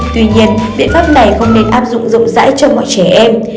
tuy nhiên biện pháp này không nên áp dụng rộng rãi cho mọi trẻ em